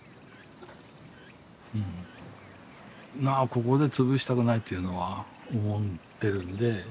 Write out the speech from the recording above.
まあここで潰したくないっていうのは思っているんで。